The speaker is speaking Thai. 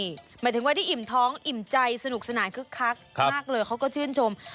หมายถึงว่าได้อิ่มท้องอิ่มใจสนุกสนานคึกคักมากเลยเขาก็ชื่นชม